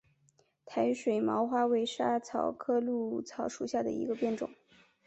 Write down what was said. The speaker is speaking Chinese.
台水毛花为莎草科藨草属下的一个变种。